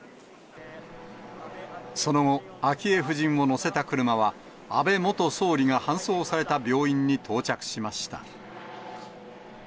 その後、昭恵夫人を乗せた車は安倍元総理が搬送された病院に到着しました。